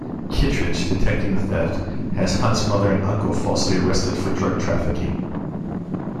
Kittridge, detecting the theft, has Hunt's mother and uncle falsely arrested for drug trafficking.